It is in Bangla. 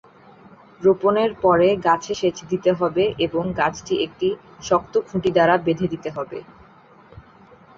রোপণের পরে গাছে সেচ দিতে হবে এবং গাছটি একটি শক্ত খুঁটি দ্বারা বেঁধে দিতে হবে।